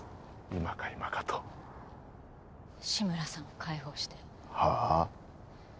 今か今かと志村さんを解放してはあっ？